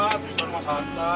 tuh itu mas hanta